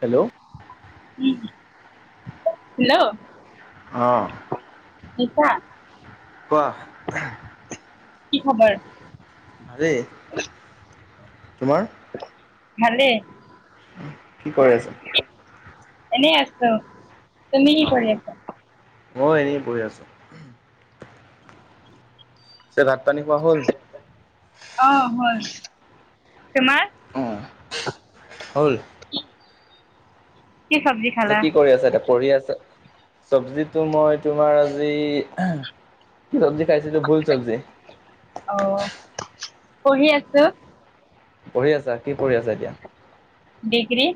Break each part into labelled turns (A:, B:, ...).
A: Hello.
B: উম, hello.
A: অ'।
B: নিছা
A: কোৱা
B: কি খবৰ?
A: ভালে, তোমাৰ?
B: ভালে।
A: কি কৰি আছা?
B: এনেই আছো। তুমি কি কৰি
A: অ'
B: আছা
A: মই এনেই বহি আছোঁ। পিছে ভাত পানী খোৱা হ'ল?
B: অ' হল, তোমাৰ?
A: অ' হল।
B: উম।
A: কি কৰি আছা এতিয়া পঢ়ি আছা? চব্জিতটো মই তোমাৰ আজি চব্জি খাইছিলো ভোল চব্জি।
B: অ' পঢ়ি আছো।
A: পঢ়ি আছা কি পঢ়ি আছা এতিয়া?
B: ডিগ্ৰী।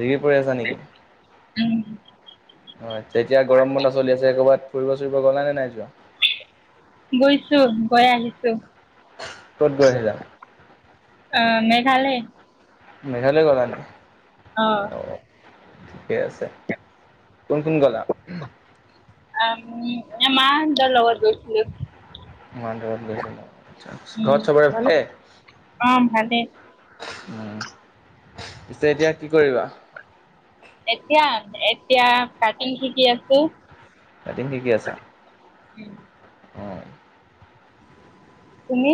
A: ডিগ্ৰী পঢ়ি আছা নেকি?
B: উম।
A: হয় এতিয়া গৰম বন্ধ চলি আছে ক'ৰবাত ফুৰি চুৰিব গ'ল নে নাই যোৱা??
B: গৈছো গৈ আহিছো।
A: ক'ত গৈ আহিলা?
B: অ' মেঘালয়।
A: মেঘালয় গ'লা ন অ'। ঠিকে আছে, কোন কোন গলা?
B: আ মাহঁতৰ লগত গৈছো।
A: মাহঁতৰ লগত গৈছিলা,
B: উম
A: ঘৰত চবৰে ভালে?
B: অ ভালে
A: উম পিছে এতিয়া কি কৰিবা?
B: এতিয়া এতিয়া কাটিং শিকি আছো।
A: কাটিং শিকি আছা।
B: উম।
A: উম।
B: তুমি?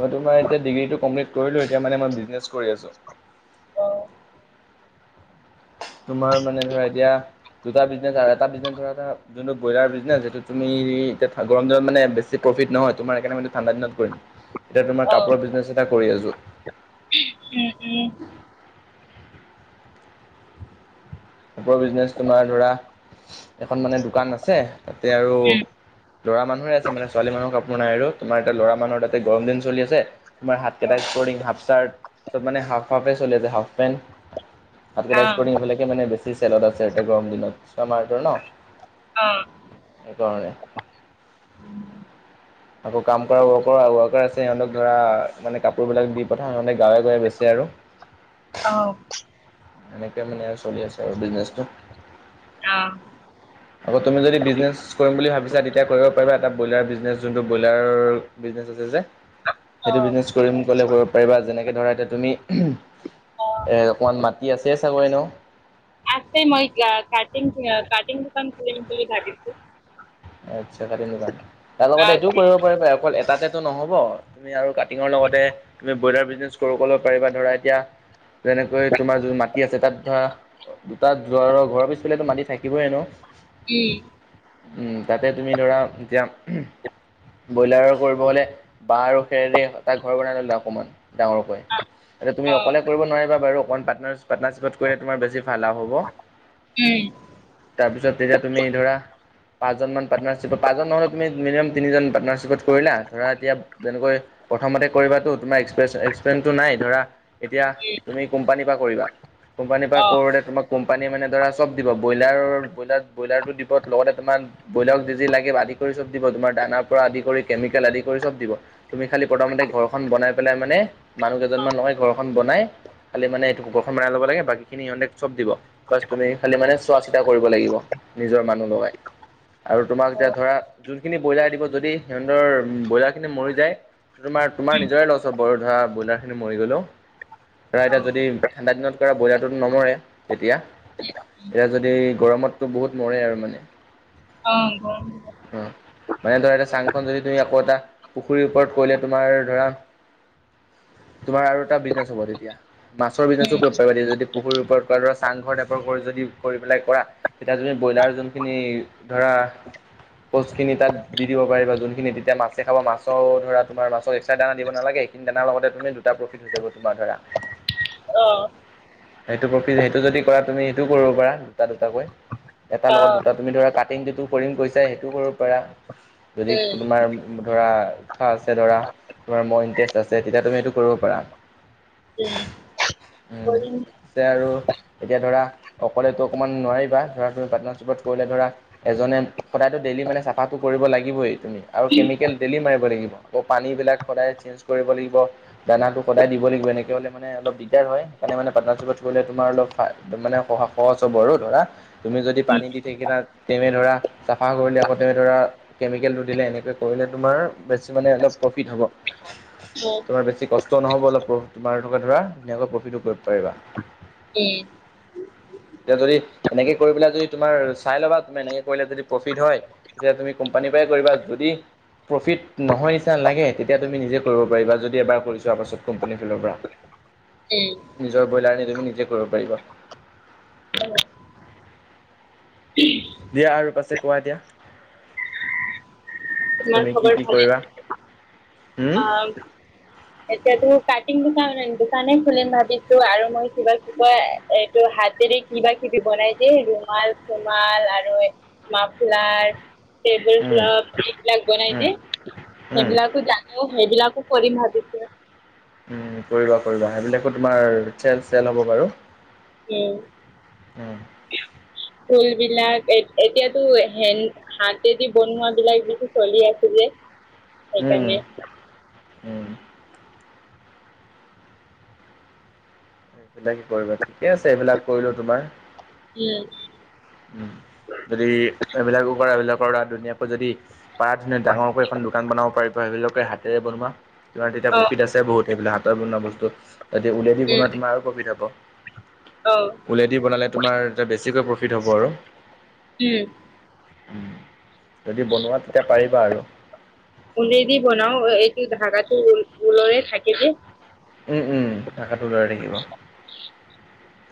A: মই তোমাৰ এতিয়া ডিগ্ৰীটো কমপ্লিট কৰিলো এতিয়া মানে মই বিচনেচ কৰি আছো।
B: অ'।
A: তোমাৰ মানে ধৰা এতিয়া দুটা [unintelligible] যোনটো ব্ৰইলাৰ বিচনেছ যেইটো তুমি এতিয়া গৰম দিনত মানে বেছি প্ৰফিত নহয় তোমাৰ সেইকাৰণেই মানে ঠণ্ডা দিনত কৰিম।
B: [unintelligible]
A: এতিয়া তোমাৰ
B: অ
A: কাপোৰৰ বিজনেছ এটা কৰি আছোঁ।
B: উম, উম।
A: কাপোৰৰ বিজনেচ তোমাৰ ধৰা এখন মানে দোকান আছে তাতে আৰু
B: উম
A: ল'ৰা মানুহে আছে মানে ছোৱালী মানুহৰ কাপোৰ নাই আৰু তোমাৰ এতিয়া ল'ৰা মানুহৰ তাতে গৰম দিন চলি আছে তোমাৰ হাত কাটা স্পৰচিং, হাফ চাৰ্ট চব মানে হাফ হাফে চলি আছে হাফ পেণ্ট। হাতকটা
B: অ
A: স্পৰ্টং এইবিলাকে মানে বেছি চেল আছে এতিয়া গৰম দিনত আমাৰ ন।
B: অ'।
A: সেইকাৰণে। আকৌ কাম কৰা ৱৰ্ ৱৰ্কাৰ আছে, সিহঁতক ধৰা মানে কাপোৰ বিলাক দি পঠাওঁ সিহঁতে গাঁৱে গাঁৱে বেছে আৰু।
B: অ'।
A: এনেকে মানে আৰু চলি আছে আৰু বিজনেছটো।
B: অ'।
A: আকৌ তুমি যদি বিজনেছ কৰিম বুলি ভাবিছা তেতিয়া কৰিব পাৰিবা এটা ব্ৰইলাৰ বিজনেছ যোনটো ব্ৰইলাৰৰ বিজনেছ আছে যে সেইটো বিজনেছ কৰিম ক'লে কৰিব পাৰিবা। যেনেকে ধৰা এতিয়া তুমি এ অকমান মাটি আছে চাগৈ ন?
B: আছে মই কাটিং কাটিং দ দুোকান খোলিম বুলি ভাবিছো।
A: আচ্ছা কাটিং দোকান, তাৰ লগত এইটোও কৰিব প অকল এটাতেটো নহব, তুমি আৰু কাটিঙৰ লগতে তুমি ব্ৰইলাৰ বিজনেছ কৰো ক'লে পাৰিবা ধৰা এতিয়া, যেনেকৈ তোমাৰ যোন মাটি আছে তাত ধৰা। দুটা জোৱাৰৰ ঘৰৰ পিছফালেতো মাটি থাকিব এনেইও।
B: উম।
A: তাতে তুমি ধৰা এতিয়া ব্ৰইলাৰ কৰিব হ'লে বাঁহ আৰু খেৰেৰে এটা ঘৰ বনাই ল'লা অকনমান ডাঙৰ তুমি অকলে কৰিব নোৱাৰিবা বাৰু অকমান পাৰ্টনাৰ পাটৰ্নাশ্যিপত কৰিলে তোমাৰ বেছি ভাল লাভ হ'ব। তাৰপিছত তেতিয়া তুমি ধৰা পাঁচজনমান পাটৰ্নাৰশ্যিপ পাঁচজন নহ'লেও তুমি মিনিমাম তিনিজন পাটৰ্নাশ্যিপত কৰিলা ধৰা এতিয়া যেনেকৈ প্ৰথমতে কৰিবাটো তোমাৰ এ এক এক্সপেৰিয়ঞ্চটো নাই, ধৰা এতিয়া তুমি কোম্পানীৰ পৰা কৰিবা কোম্পানীৰ পৰা কৰোঁতে তোমাক কোম্পানীয়ে মানে ধৰা চব দিব ব্ৰইলাৰৰ ব্ৰইলাৰ ব্ৰইলাৰটো দিব লগতে তোমাৰ ব্ৰইলাৰক যি যি লাগে আদি কৰি চব দিব তোমাৰ দানাৰ পৰা আদি কৰি কেমিকেল আদি কৰি চব দিব। তুমি খালি প্ৰথমতে ঘৰখন বনাই পেলাই মানে মানুহ কেইজনমান লগাই ঘৰখন বনাই খালি মানে এইটো ঘৰ খন বনাই ল'ব লাগে বাকী খিনি সিহঁতে চব দিব। বচ তুমি খালি মানে চোৱা চিতা কৰিব লাগিব নিজৰ মানুহ লগাই। আৰু তোমাক এতিয়া ধৰা যোনখিনি ব্ৰইলাৰ দিব, যদি সিহঁতৰ ব্ৰইলাৰ খিনি মৰি যায় তোমাৰ তোমাৰ নিজৰে লষ্ট হ'ব ধৰা ব্ৰইলাৰ খিনি মৰি গ'লোও। ধৰা এতিয়া যদি ঠাণ্ডা দিনত কৰা ব্ৰইলাৰটোত নমৰে তেতিয়া। এইয়া যদি গৰমতটো বহুত মৰে আৰু মানে।
B: অ ক [unintelligible]
A: উম। মানে ধৰা এ চাংখন যদি তুমি আকৌ এটা পুখুৰীৰ ওপৰত কৰিলে তোমাৰ ধৰা তোমাৰ আৰু এটা বিজনেছ হ'ব তেতিয়া। মাছৰ বিজনেছো কৰিব পাৰিব, দ যদি পুখুৰীৰ ওপৰত কৰা ধৰা চাংঘৰ টাইপৰ যদি কৰি পেলাই কৰা। তেতিয়া তুমি ব্ৰইলাৰ যোনখিনি ধৰা পলচ তাত দি দিব পাৰিবা যোনখিনি তেতিয়া মাছে খাব মাছৰ ধৰা তোমাৰ মাছক এক্সষ্টা দানা দিব নালাগে। এইখিনি দানাৰ লগতে তুমি দুটা প্ৰফিট হৈ যাব তোমাৰ ধৰা।
B: অ [unintelligible]
A: সেইটো প্ৰফিট সেইটো যদি কৰা তুমি সেইটো কৰিব পাৰা দুটা দুটাকৈ। এটাৰ লগত দুটা তুমি ধৰা কাটিং যিটো কৰিম কৈছা সেইটো কৰিব পাৰা, যদি তোমাৰ ধৰা আশা আছে ধৰা তোমাৰ মোৰ ইণ্টাৰেষ্ট আছে তেতিয়া তুমি এইটো কৰিব পাৰা।
B: উম।
A: উম। আৰু এতিয়া ধৰা অকলেতো অকণমান নোৱাৰিবা ধৰা তুমি পাৰ্টনাৰশ্বিপত কৰিলে ধৰা এজনে সদায়টো ডেইলি মানে চাফাটো কৰিব লাগিবই তুমি আৰু কেমিকেল ডেইলি মাৰিব লাগিব। আকৌ পানী বিলাক সদায় চেঞ্জ কৰিব লাগিব দানাটো সদায় দিব লাগিব এনেক হ'লে মানে অল দিগদাৰ হয় সেইকাৰে মানে পাৰ্নাৰশ্বপত থলে তমাৰ অলপ, ম মানে স সহজ হ'ব আৰু ধৰা, তুমি যদি পানী দি থাকিনা তেনে ধৰা চাফা কৰিলে আকৌ তেনে ধৰা কেমিকেলটো দিলে এনেকৈ কৰিলে তোমাৰ বেছি মানে অলপ প্ৰফিট হ'ব। তোমাৰ বেছি কষ্ট নহ'ব অলপ তমাৰকা ধৰা ধুনীয়াকৈ প্ৰফিটটো কৰিব পাৰিবা।
B: উম,
A: এতিয়া যদি এনেকে কৰি পেলাই যদি তোমাৰ চাই ল'বা। এনেকে কৰিলে যদি প্ৰফিট হয় তেতিয়া তুমি কোম্পানীৰ পৰাই কৰিবা যদি, প্ৰফিট নহয় নিচিনা লাগে তেতিয়া তুমি নিজে কৰিব পাৰিবা যদি এবাৰ কৰিছোোৱাৰ পাছত কোম্পোনী ফিলৰ পৰা।
B: উম,
A: নিজৰ ব্ৰইলাৰ তুমি নিজে কৰিব পাৰিবা। দিয়া আৰু পাছে কোৱা এতিয়া? তুমি কি কি কৰিলা? হম,
B: এতিয়াতো কাটিম দোকান দোকানে খুলিম ভাবিছো আৰু মই কিবা কিবা কয়? এইটো হাতেৰে কিবা কিবি বনাই যে ৰুমাল চোমাল আৰু। মাপলাৰ, টেবুল
A: উম
B: ক্লথ এইবিলাক বনাই
A: উম
B: দিয়
A: উম
B: সেইবিলাক জানো সেইবিলাকো কৰিম ভাবি।
A: উম, কৰিবা-কৰিবা সেইবিলাকো তোমাৰ চেল-চেল হ'ব বাৰু।
B: উম,
A: উম,
B: ফুল বিলাক এ এতিয়াতো হেন হাতেদি বনোৱা বিলাক যদি চলি আছিলে।
A: উম, উম, এনোকে কৰিবা ঠিকে আছে এইবিলাক কৰিলো তোমাৰ।
B: উম,
A: উ যদি এইবিলাকো কৰা এইবিলাকৰ ধুনীয়াকৈ যদি পাৰ ধুন ডাঙৰকৈ এখন দোকান বনাব পাৰিবা। সেইবিলাকে হাতেৰে বনোৱা, তোমাৰ তেতিয়া
B: অ
A: প্ৰফিট আছে বহুত সেইবিলাক হাতত বনোৱা বস্তু তেতিয়া উলিয়াই দি
B: উম
A: বনোৱা তোমাৰ আৰু প্ৰফিদ হব।
B: অ',
A: উলেদি বনালে তোমাৰ এতিয়া বেছিকৈ প্ৰফিট হ'ব আৰু।
B: উম,
A: উম, যদি বনোৱা তেতিয়া পাৰিবা আৰু।
B: দি বনাও এইটো ধাগাটো ৰুলৰে থাকে যে।
A: উম, উম, টকাটো লৰাই থাকিব।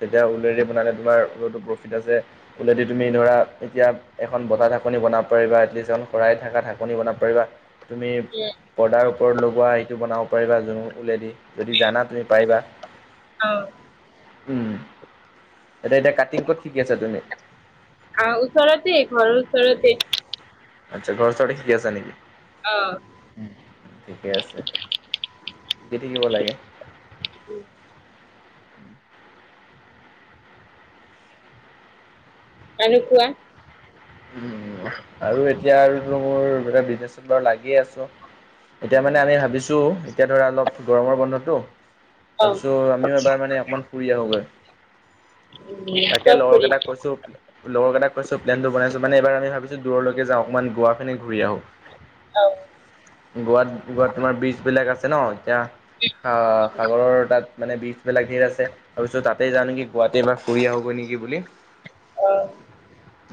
A: তেতিয়া উলেদি বনালে তোমাৰ উল প্ৰফিট আছে, উলেদি তুমি ধৰা এতিয়া এখন বতাহ ঢাকনি বনাব পাৰিবা এটলিষ্ট এখন শৰাই থকা ঢাকনি বনাব পাৰিবা তুমি
B: উম
A: পৰ্দাৰ ওপৰত লগোৱা সেইটো বনাব পাৰিবা যোন ওলেদি। যদি জানা তুমি পাৰিবা।
B: অ',
A: উম, এতিয়া এতিয়া কাটিং ক'ত শিকি আছা তুমি?
B: ওচৰতে ঘৰৰ ওচৰতে।
A: আচ্ছা, ঘৰ চ শিকি আছে নেকি?
B: অহ,
A: উম, ঠিকে আছে, শিকি থাকিব লাগে।
B: এনেকোৱা।
A: উ আৰু এতিয়া আৰুো মোৰ বিজনেচত বাৰু লাগিয় আছ। এতিয়া মানে আমি ভাবিছো এতিয়া ধৰা অলপ গৰমৰ বন্ধতটো।
B: অ
A: তাৰপিছত আমিও এবাৰ মানে অকমান ফুৰি আহোগৈ। তাকে
B: চব কৰিম
A: লগৰকেইটাক কৈছো? লগৰ কেইটাক কৈছোঁ প্লেনটো বনাইছোঁ মানে এবাৰ আমি ভাবিছোঁ দূৰলৈকে যাওঁ, অকণমান গোৱা ফেনে ঘূৰি আহোঁ।
B: অ অ
A: গোৱাত, গোৱাত তোমাৰ বীজ বিলাক আছে ন এতিয়া আহ, সাগৰৰ তাত মানে বিচবিলাক ধেৰ আছে তাৰপিছত তাত তাতে যাওঁ নেকি, গোৱাততে এবাৰ ফুৰি আহোঁগৈ নেকি বুলি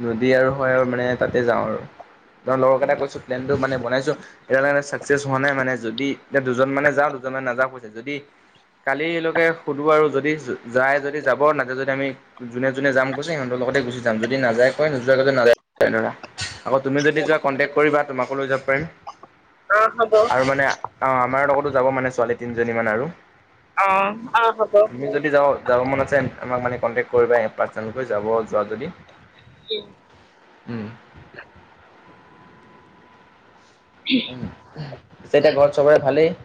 A: যদি আৰু হয় আৰু মানে তাতে যাওঁ আৰু লগৰকেইটাক কৈছোঁ প্লেনটো মানে বনাইছোঁ। এতিয়ালে ছাকচেছ হোৱা নাই মানে যদি এতিয়া দুজন মানে যাওঁ, দুজন মানে নাযাওঁ কৈছে যদি কালিলৈকে সোধোঁ আৰু যদি যায় যদি যাব নাযায় যদি আমি যোনে, যোনে যাম কৈছে সিহঁতৰ লগতে গুচি যাম, যদি নাযায় কই নোযোৱা কেইজনে নাযায় তেনেৰা আকৌ তুমি যদি যোৱা কণ্টেক্ট কৰিবা তোমাকো লৈ যাব পাৰিম।
B: অ হ'ব অ
A: আৰু মানে অ', আমাৰ লগতো যাব মানে ছোৱালী তিনিজনী মান আৰু।
B: অ হ'ব অ
A: তুমি যদি যাও যাব মন আছে আমাক মানে কণ্টেক্ট কৰিবা পাৰ্চনেলকৈ যাব যোৱা যদি?
B: উম।
A: উম। উম, পিছে এতিয়া ঘৰত চবৰে ভালেই?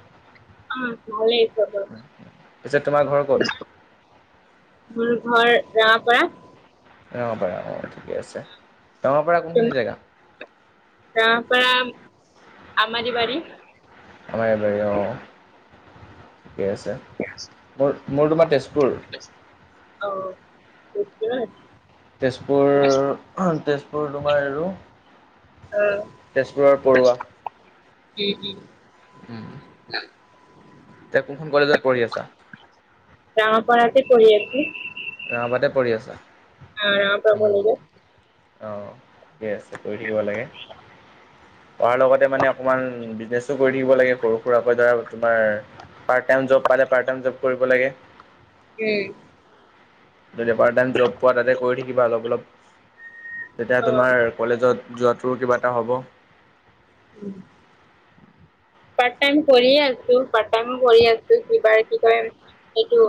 B: ভালেই খবৰ।
A: পিছে তোমাৰ ঘৰ ক'ত
B: মোৰ ঘৰ ৰঙাপৰাত।
A: ৰঙাপাৰা অ', ঠিকে আছে ৰঙাপাৰা কোনখিনি জেগা?
B: ৰঙাপাৰা আমাৰীবাৰী।
A: আমাৰা বাৰি অ', ঠিকে আছে মোৰ, মোৰ তোমাৰ তেজপুৰ।
B: অ', তেজপুৰত।
A: তেজপুৰ, তেজপুৰ তোমাৰ আৰু। তেজপুৰৰ পৰুৱা উম। এতিয়া কোনখন কলেজত পঢ়ি আছা?
B: ৰঙাপাৰাতেই পঢ়ি আছোঁ।
A: ৰাবাতে পৰি আছা
B: ৰাঙাপাৰা
A: উম,
B: কলেজত
A: অ'। ঠিক আছে কৰি থাকিব লাগে, পঢ়াৰ লগতে মানে অকমান বিনে কৰি থাকিব লাগে সৰু সুৰাকৈ ধৰা তোমাৰ পাৰ্ট টাইম জব পালে, পাৰ্ট টাইম জব কৰিব লাগে।
B: উম।
A: যদি পাৰ্ট টাইম জব পোৱা তাতে কৰি থাকিবা অলপ, অলপ তেতিয়া
B: অ
A: তোমাৰ কলেজত যোৱাটোৰো কিবা এটা হ'ব।
B: উম। পাৰ্ট টাইম কৰি আছোঁ, পাৰ্ট টাইম কৰি আছোঁ কিবা কি কয় এইটো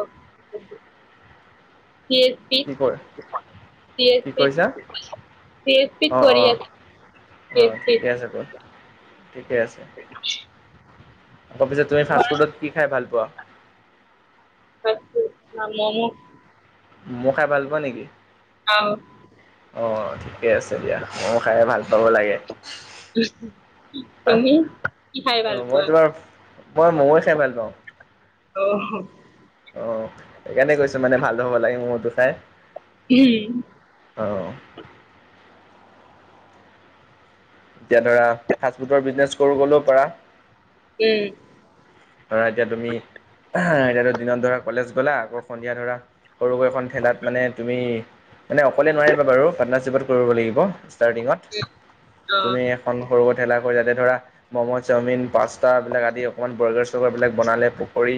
B: [unintelligible] ছ চি এছ পি,
A: কি কৈ
B: চি
A: কি কৈছা
B: এছ পি কৰি আছোঁ।
A: অ', ঠিকে আছে বল ঠিকে আছে, আকৌ পিছে তই ফাষ্ট ফুডত কি খাই ভাল পোৱা?
B: Fast food momo.
A: মম' খাই ভাল পোৱা নেকি?
B: খাওঁ
A: অ', থিক ঠিকে আছে দিয়া মম' খাই ভাল পাব লাগে। অঁ
B: তুমি কি খাই ভাল
A: মই
B: পোৱা?
A: তোমাৰ মই মম'য়ে খাই ভাল পাওঁ।
B: অহ।
A: অ', সেইকাৰণে কৈছোঁ মানে ভাল পাব লাগে মম'টো খাই।
B: উম।
A: অ'। এতিয়া ধৰা ফাষ্ট ফুডৰ বিজনেছ কৰোঁ কলেওঁ পাৰা।
B: উম।
A: ধৰা এতিয়া তুমি এতিয়াটো দিনত ধৰা কলেজ গ'লা, আকৌ সন্ধিয়া ধৰা সৰুকৈ এখন ঠেলাত মানে তুমি মানে অকলে নোৱাৰিবা বাৰু, পাৰ্টনাৰশ্বিপত কৰিব লাগিব, ষ্টাৰৰ্টিঙত
B: অ
A: তুমি। এখন সৰুকৈ থেলাকৈ যাতে ধৰা মম', চাওঁমিন, পাস্তা এইবিলাক আদি অকমান বয় বস্তু তেনেকুৱা বিলাক বনালে পকৰি,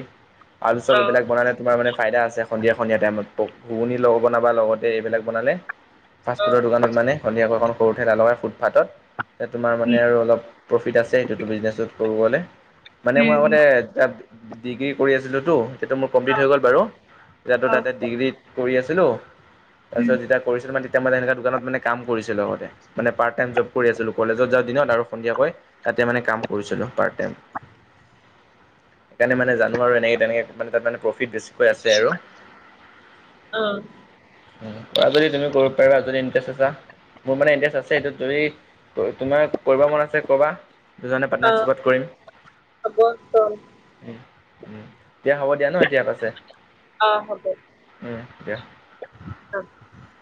A: আলু শ্বপ
B: অ
A: এইবিলাক বনালে তোমাৰ মানে ফাইদা আছে। সন্ধিয়া সন্ধিয়া টাইমত প ঘুগুনি বনাবা লগতে এইবিলাক বনালে
B: অ
A: ফাষ্টফুডৰ দোকানত মানে সন্ধিয়াকৈ এখন সৰু ঠেলা লগাই ফুটফাথত। এ তোমাৰ মানে
B: উম
A: আৰু অলপ প্ৰফিট আছে, এইটোত ব্ৰিজনেচত সৰু হ'লেও মানে মই
B: উম
A: এ তাত ডিগ্ৰী কৰি আছিলোঁতো, হেইটো মোৰ
B: অ
A: কমপ্লিট হৈ গ'ল বাৰু, এতিয়াতো
B: অ
A: তাতে ডিগ্ৰী কৰি আছিলোঁ,
B: উম
A: তাৰপিছত যেতিয়া কৰিছিলোঁ মানে তেতিয়া মই এনেকা দোকানত মানে কাম কৰিছিলোঁ লগতে মানে পাৰ্ট টাইম জব্দ কৰি আছিলোঁ। কলেজত যাওঁ দিনত আৰু সন্ধিয়াকৈ তাতে মানে কাম কৰিছিলোঁ পাৰ্ট টাইম। সেইকাৰণে মানে জানোঁ আৰু এনেকে তেনেকে মানে তাত মানে প্ৰফিট বেছি। কৈ আছে আৰু কৰা যদি তুমি কৰিব পাৰিবা, যদি ইণ্টাৰেষ্ট আছা। মোৰ মানে ইণ্টাৰেষ্ট আছে, এইটো যদি তোমাৰ কৰিব মন আছে কবা। দুজনে পাৰ্টনাৰশ্বিপত কৰিম।
B: হ'ব চোন।
A: উম, উম, দিয়া হ'ব দিয়া ন', এতিয়া পাছে।
B: অ' হ'ব।
A: উম, দিয়া।
B: [unintelligible]